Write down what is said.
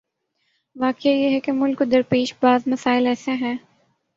واقعہ یہ ہے کہ ملک کو درپیش بعض مسائل ایسے ہیں۔